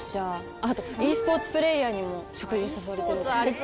あとｅスポーツプレーヤーにも食事誘われてる。